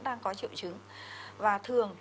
đang có triệu chứng và thường